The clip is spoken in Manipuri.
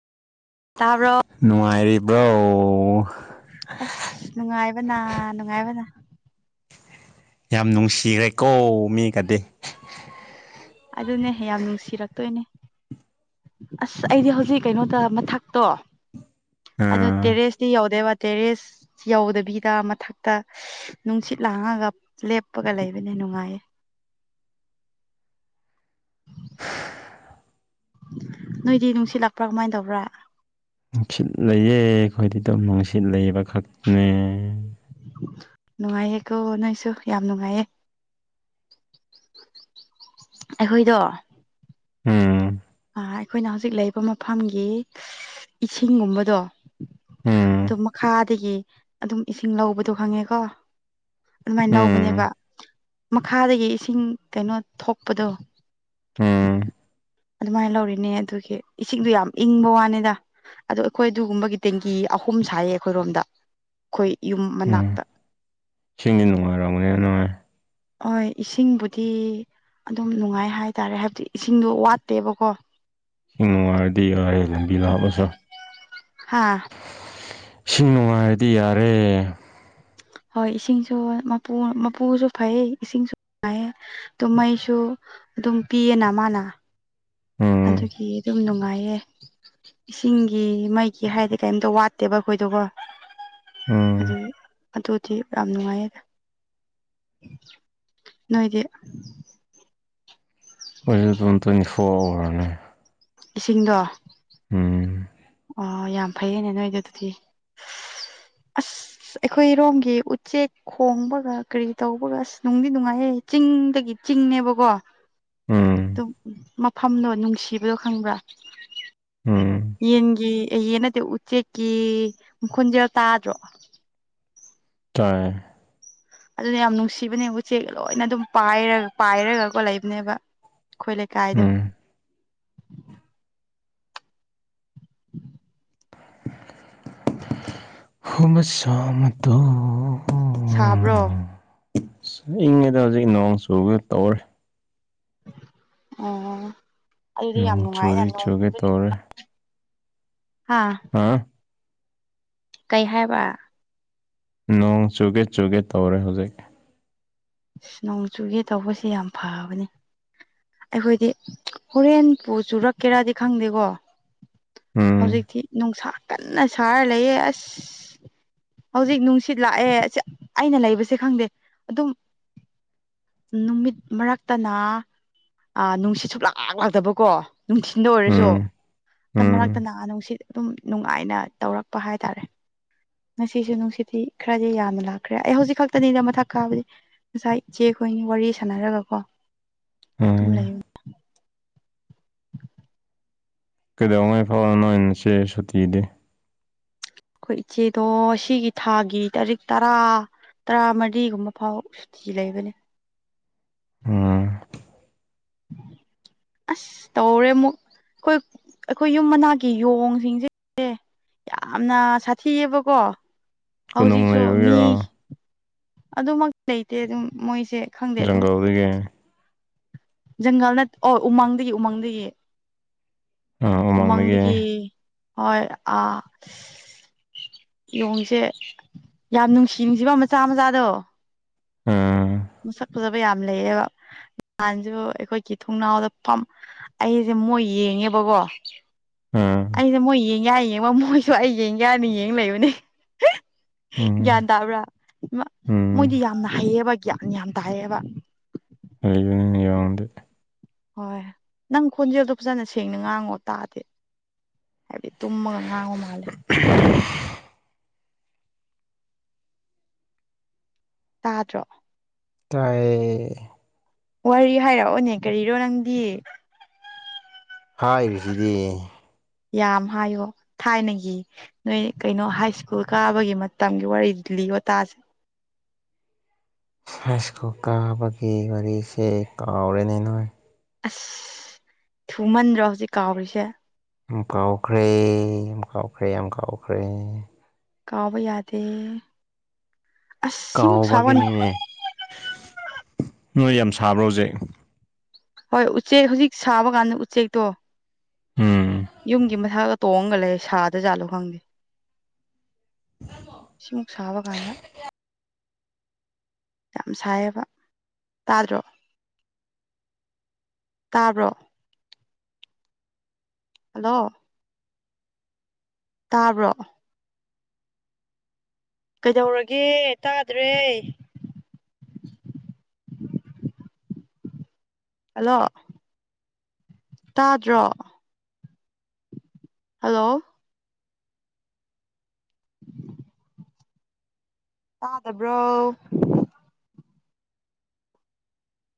ꯇꯥꯕ꯭ꯔꯣ ꯅꯨꯡꯉꯥꯏꯔꯤꯕ꯭ꯔꯣ ꯑꯁ ꯅꯨꯡꯉꯥꯏꯕꯅ ꯅꯨꯡꯉꯥꯏꯕꯅ ꯌꯥꯝ ꯅꯨꯡꯁꯤꯔꯦꯀꯣ ꯃꯤꯒꯗꯤ ꯑꯗꯨꯅꯦ ꯌꯥꯝ ꯅꯨꯡꯁꯤꯔꯛꯇꯣꯏꯅꯤ ꯑꯁ ꯑꯩꯗꯤ ꯍꯧꯖꯤꯛ ꯀꯩꯅꯣꯗ ꯃꯊꯛꯇꯣ ꯑꯗꯨ ꯑꯥ ꯇꯦꯔꯦꯁꯇꯤ ꯌꯧꯗꯦꯕ ꯇꯦꯔꯦꯁ ꯌꯧꯗꯕꯤꯗ ꯃꯊꯛꯇ ꯅꯨꯡꯁꯤꯠ ꯂꯥꯡꯉꯒ ꯂꯦꯞꯄꯒ ꯂꯩꯕꯅꯦ ꯅꯨꯡꯉꯥꯏꯌꯦ ꯅꯣꯏꯗꯤ ꯅꯨꯡꯁꯤꯠ ꯂꯛꯄ꯭ꯔꯥ ꯀꯃꯥꯏꯟ ꯇꯧꯕ꯭ꯔꯥ ꯅꯨꯡꯁꯤꯠ ꯂꯩꯌꯦ ꯑꯩꯈꯣꯏꯗꯤ ꯗꯨꯝ ꯅꯨꯡꯁꯤꯠ ꯂꯩꯕ ꯈꯛꯇꯅꯦ ꯅꯨꯡꯉꯥꯏꯌꯦꯀꯣ ꯅꯣꯏꯁꯨ ꯌꯥꯝ ꯅꯨꯡꯉꯥꯏꯌꯦ ꯑꯩꯈꯣꯏꯗꯣ ꯎꯝ ꯑꯥ ꯑꯩꯈꯣꯏꯅ ꯍꯧꯖꯤꯛ ꯂꯩꯔꯤꯕ ꯃꯐꯝꯒꯤ ꯏꯁꯤꯡꯒꯨꯝꯕꯗꯣ ꯎꯝ ꯑꯗꯨ ꯃꯈꯥꯗꯒꯤ ꯑꯗꯨꯝ ꯏꯁꯤꯡ ꯂꯧꯕꯗꯣ ꯈꯪꯉꯦꯀꯣ ꯑꯗꯨꯃꯥꯏꯅ ꯂꯧꯕꯅꯦꯕ ꯎꯝ ꯃꯈꯥꯗꯒꯤ ꯏꯁꯤꯡ ꯀꯩꯅꯣ ꯊꯣꯛꯄꯗꯣ ꯎꯝ ꯑꯗꯨꯃꯥꯏꯅ ꯂꯧꯔꯤꯅꯦ ꯑꯗꯨꯒꯤ ꯏꯁꯤꯡꯗꯣ ꯌꯥꯝ ꯏꯪꯕ ꯋꯥꯅꯤꯗ ꯑꯗꯣ ꯑꯩꯈꯣꯏ ꯑꯗꯨꯒꯨꯝꯕꯒꯤ ꯇꯦꯡꯀꯤ ꯑꯍꯨꯝ ꯁꯥꯏꯌꯦ ꯑꯩꯈꯣꯏꯔꯣꯝꯗ ꯑꯩꯈꯣꯏ ꯌꯨꯝ ꯃꯅꯥꯛꯇ ꯆꯤꯡꯅ ꯅꯨꯡꯉꯥꯏ ꯔꯝꯒꯅꯤ ꯅꯣꯏ ꯍꯣꯏ ꯏꯁꯤꯡꯕꯨꯗꯤ ꯑꯗꯨꯝ ꯅꯨꯡꯉꯥꯏ ꯍꯥꯏꯇꯥꯔꯦ ꯍꯥꯏꯕꯗꯤ ꯏꯁꯤꯡꯗꯣ ꯋꯥꯠꯇꯦꯕꯀꯣ ꯏꯁꯤꯡ ꯅꯨꯡꯉꯥꯏꯔꯗꯤ ꯌꯥꯔꯦ ꯂꯝꯕꯤ ꯂꯥꯞꯄꯁꯨ ꯍꯥꯥ ꯏꯁꯤꯡ ꯅꯨꯡꯉꯥꯏꯔꯗꯤ ꯌꯥꯔꯦ ꯍꯣꯏ ꯏꯁꯤꯡꯁꯨ ꯃꯄꯨ ꯃꯄꯨꯁꯨ ꯐꯩꯌꯦ ꯏꯁꯤꯡꯁꯨ ꯐꯩ ꯑꯗꯨ ꯃꯩꯁꯨ ꯑꯗꯨꯝ ꯄꯤꯌꯦꯅ ꯃꯥꯅ ꯎꯝ ꯑꯗꯨꯒꯤ ꯑꯗꯨꯝ ꯅꯨꯡꯉꯥꯏꯌꯦ ꯏꯁꯤꯡꯒꯤ ꯃꯩꯒꯤ ꯍꯥꯏꯔꯗꯤ ꯀꯩꯝꯇ ꯋꯥꯠꯇꯦꯕ ꯑꯩꯈꯣꯏꯗꯣꯀꯣ ꯎꯝ ꯑꯗꯨ ꯑꯗꯨꯗꯤ ꯌꯥꯝ ꯅꯨꯡꯉꯥꯏꯌꯦꯗ ꯅꯣꯏꯗꯤ ꯈꯣꯏ ꯑꯗꯨꯝ ꯇꯋꯦꯟꯇꯤꯐꯣꯔ ꯐꯣꯔ ꯑꯥꯋꯥꯔꯅꯤ ꯏꯁꯤꯡꯗꯣ ꯎꯝ ꯑꯣ ꯌꯥꯝ ꯐꯩꯌꯦꯅꯦ ꯅꯣꯏꯗꯤ ꯑꯗꯨꯗꯤ ꯎꯝ ꯑꯁ ꯑꯩꯈꯣꯏ ꯔꯣꯝꯒꯤ ꯎꯆꯦꯛ ꯈꯣꯡꯕꯒ ꯀꯔꯤ ꯇꯧꯕꯒ ꯑꯁ ꯅꯨꯡꯗꯤ ꯅꯨꯡꯉꯥꯏꯌꯦ ꯆꯤꯡꯗꯒꯤ ꯆꯤꯡꯅꯦꯕꯀꯣ ꯎꯝ ꯗꯨꯝ ꯃꯐꯝꯗꯣ ꯅꯨꯡꯁꯤꯕꯗꯣ ꯈꯪꯕ꯭ꯔꯥ ꯎꯝ ꯌꯦꯟꯒꯤ ꯌꯦꯟ ꯅꯠꯇꯦ ꯎꯆꯦꯛꯀꯤ ꯈꯣꯟꯖꯦꯜ ꯇꯥꯗ꯭ꯔꯣ ꯇꯏꯑꯦ ꯑꯗꯨꯅꯦ ꯌꯥꯝ ꯅꯨꯡꯁꯤꯕꯅꯦ ꯎꯆꯦꯛ ꯂꯣꯏꯅ ꯑꯗꯨꯝ ꯄꯥꯏꯔ ꯄꯥꯏꯔꯒꯀꯣ ꯂꯩꯕꯅꯦꯕ ꯑꯩꯈꯣꯏ ꯂꯩꯀꯥꯏꯗꯨ ꯎꯝ ꯍꯨꯃ ꯁꯃꯗꯣ ꯁꯥꯕ꯭ꯔꯣ ꯏꯪꯉꯤꯗ ꯍꯧꯖꯤꯛ ꯅꯣꯡ ꯆꯨꯕ ꯇꯧꯔꯦ ꯑꯣ ꯑꯗꯨꯗꯤ ꯌꯥꯝ ꯅꯣꯡ ꯅꯨꯡꯉꯥꯏꯅ ꯆꯨꯔꯤ ꯅꯣꯡ ꯆꯨꯒꯦ ꯇꯧꯔꯦ ꯍꯥꯥ ꯍꯥꯥ ꯀꯩ ꯍꯥꯏꯕ ꯅꯣꯡ ꯆꯨꯒꯦ ꯆꯨꯒꯦ ꯇꯧꯔꯦ ꯍꯧꯖꯤꯛ ꯅꯣꯡꯆꯨꯒꯦ ꯇꯧꯕꯁꯦ ꯌꯥꯝ ꯐꯕꯅꯤ ꯑꯩꯈꯣꯏꯗꯤ ꯍꯣꯔꯦꯟ ꯄꯨ ꯆꯨꯔꯛꯀꯦꯔꯥꯗꯤ ꯈꯪꯗꯦꯀꯣ ꯎꯝ ꯍꯧꯖꯤꯛꯇꯤ ꯅꯨꯡꯁꯥ ꯀꯟꯅ ꯁꯥꯔ ꯂꯩꯌꯦ ꯑꯁ ꯍꯧꯖꯤꯛ ꯅꯨꯡꯁꯤꯠ ꯂꯥꯛꯑꯦ ꯑꯩꯅ ꯂꯩꯕꯁꯦ ꯈꯪꯗꯦ ꯑꯗꯨꯝ ꯅꯨꯃꯤꯠ ꯃꯔꯛꯇꯅ ꯑꯥ ꯅꯨꯡꯁꯤꯠ ꯁꯨꯛꯂꯥꯛ ꯂꯥꯛꯇꯕꯀꯣ ꯅꯨꯡꯊꯤꯟꯗ ꯑꯣꯏꯔꯁꯨ ꯎꯝ ꯎꯝ ꯃꯔꯛꯇꯅ ꯅꯨꯡꯁꯤꯠ ꯑꯗꯨꯝ ꯅꯨꯡꯉꯥꯏꯅ ꯇꯧꯔꯛꯄ ꯍꯥꯏꯇꯥꯔꯦ ꯉꯁꯤꯁꯨ ꯅꯨꯡꯁꯤꯠꯇꯤ ꯈꯔꯗꯤ ꯌꯥꯝꯅ ꯂꯥꯛꯈ꯭ꯔꯦ ꯑꯩ ꯍꯧꯖꯤꯛ ꯈꯛꯇꯅꯤꯗ ꯃꯊꯛ ꯀꯥꯕꯗꯤ ꯉꯁꯥꯏ ꯏꯆꯦꯈꯣꯏꯅꯤ ꯋꯥꯔꯤ ꯁꯥꯟꯅꯔꯒꯀꯣ ꯑꯗꯨꯝ ꯂꯩ ꯎꯝ [unintelligible] ꯀꯩꯗꯉꯩ ꯐꯥꯎꯕ ꯅꯣꯏ ꯅꯆꯦ ꯁꯨꯇꯤꯗꯤ ꯑꯩꯈꯣꯏ ꯏꯆꯦꯗꯣ ꯁꯤꯒꯤ ꯊꯥꯒꯤ ꯇꯥꯔꯤꯛ ꯇꯔꯥ ꯇꯔꯥꯃꯔꯤꯒꯨꯝꯕ ꯐꯥꯎ ꯁꯨꯇꯤ ꯂꯩꯕꯅꯦ ꯎꯝ [unintelligible] ꯑꯁ ꯇꯧꯔꯦ ꯑꯃꯨꯛ ꯑꯩꯈꯣꯏ ꯑꯩꯈꯣꯏ ꯌꯨꯝ ꯃꯅꯥꯛꯒꯤ ꯌꯣꯡꯁꯤꯡꯁꯦ ꯌꯥꯝꯅ ꯁꯥꯊꯤꯌꯦꯕꯀꯣ ꯀꯣꯅꯨꯡ ꯍꯧꯖꯤꯛꯁꯨ ꯃꯤ ꯂꯩꯕꯒꯤꯔꯣ ꯑꯗꯨꯃꯛ ꯂꯩꯇꯦ ꯑꯗꯨꯝ ꯃꯣꯏꯁꯦ ꯈꯪꯗꯦ ꯑꯗꯨꯝ ꯖꯪꯒꯜ [unintelligible] ꯖꯪꯒꯜ ꯅꯠꯇ ꯑꯣ ꯎꯃꯪꯗꯒꯤ ꯎꯃꯪꯗꯒꯤ ꯎꯃꯪꯗꯒꯤ ꯍꯣꯏ ꯑ ꯌ‌ꯣꯡꯁꯦ ꯌꯥꯝ ꯅꯨꯡꯁꯤ ꯅꯨꯡꯁꯤꯕ ꯃꯆꯥ ꯃꯆꯥꯗꯣ ꯎꯝ ꯃꯁꯛ ꯐꯖꯕ ꯌꯥꯝ ꯂꯩꯌꯦꯕ ꯅꯍꯥꯟꯁꯨ ꯑꯩꯈꯣꯏꯒꯤ ꯊꯣꯡꯅꯥꯎꯗ ꯐꯝ ꯑꯩꯁꯦ ꯃꯣꯏ ꯌꯦꯡꯉꯦꯕꯀꯣ ꯑꯥ ꯑꯩꯅ ꯃꯣꯏ ꯌꯦꯡꯒ‌ꯦ ꯍꯥꯏ ꯌꯦꯡꯕ ꯃꯣꯏꯁꯨ ꯑꯩ ꯌꯦꯡꯒ‌ꯦ ꯍꯥꯏꯅ ꯌꯦꯡ ꯂꯩꯕꯅꯦ ꯎꯝ ꯒ꯭ꯌꯥꯟ ꯇꯥꯕ꯭ꯔꯥ ꯑꯃ ꯎꯝ ꯃꯣꯏꯗꯤ ꯌꯥꯝꯅ ꯍꯩꯌꯦꯕ ꯒ꯭ꯌꯥꯟ ꯌꯥꯝ ꯇꯥꯏꯑꯦꯕ [unintelligible] ꯍꯣꯏ ꯅꯪ ꯈꯣꯟꯖꯦꯜꯗꯣ ꯐꯖꯅ ꯁꯦꯡꯅ ꯉꯥꯡꯉꯣ ꯇꯥꯗ‌ꯦ ꯍꯥꯏꯕꯗꯤ ꯇꯨꯝꯃꯒ ꯉꯥꯡꯕ ꯃꯥꯜꯂꯦ ꯇꯥꯗ꯭ꯔꯣ ꯇꯥꯏꯌ‌ꯦ ꯋꯥꯔꯤ ꯍꯥꯏꯔꯛꯑꯣꯅꯦ ꯀꯔꯤꯔꯣ ꯅꯪꯗꯤ ꯍꯥꯏꯔꯤꯁꯤꯗꯤ ꯌꯥꯝ ꯍꯥꯏꯌꯣ ꯊꯥꯏꯅꯒꯤ ꯅꯣꯏ ꯀꯩꯅꯣ ꯍꯥꯏ ꯁ꯭ꯀꯨꯜ ꯀꯥꯕꯒꯤ ꯃꯇꯝꯒꯤ ꯋꯥꯔꯤ ꯂꯤꯌ‌ꯣ ꯇꯥꯥꯁꯦ ꯁꯍꯥꯏꯁ꯭ꯀꯨꯜ ꯀꯥꯕꯒꯤ ꯋꯥꯔꯤꯁꯦ ꯀꯥꯎꯔꯦꯅꯦ ꯅꯣꯏ ꯑꯁ ꯊꯨꯃꯟꯗ꯭ꯔꯣ ꯍꯧꯖꯤꯛ ꯀꯥꯎꯔꯤꯁꯦ ꯎꯝ ꯀꯥꯎꯈ꯭ꯔꯦ ꯌꯥꯝ ꯀꯥꯎꯈ꯭ꯔꯦ ꯌꯥꯝ ꯀꯥꯎꯈ꯭ꯔꯦ ꯀꯥꯎꯕ ꯌꯥꯗꯦ ꯑꯁ ꯁꯤꯃꯨꯛ ꯁꯥꯕꯅꯤ ꯀꯥꯎꯕꯒꯤꯅꯤꯅꯦ ꯅꯣꯏ ꯌꯥꯝ ꯁꯥꯕ꯭ꯔꯣ ꯍꯧꯖꯤꯛ ꯍꯣꯏ ꯎꯆꯦꯛ ꯍꯧꯖꯤꯛ ꯁꯥꯕ ꯀꯥꯟꯗ ꯎꯆꯦꯛꯇꯣ ꯎꯝ ꯌꯨꯝꯒꯤ ꯃꯊꯛꯗ ꯇꯣꯡꯉꯒ ꯂꯩ ꯁꯥꯗ ꯖꯥꯠꯂꯣ ꯈꯪꯗꯦ ꯁꯤ ꯃꯨꯛ ꯁꯥꯕꯀꯥꯟꯗ ꯌꯥꯝ ꯁꯥꯏꯌꯦꯕ ꯇꯥꯗ꯭ꯔꯣ ꯇꯥꯕ꯭ꯔꯣ ꯍꯜꯂꯣ ꯇꯥꯕ꯭ꯔꯣ ꯀꯩꯗꯧꯔꯒꯦ ꯇꯥꯗ꯭ꯔꯦ ꯍꯜꯂꯣ ꯇꯥꯗ꯭ꯔꯣ ꯍꯜꯂꯣ ꯇꯥꯗꯕ꯭ꯔꯣ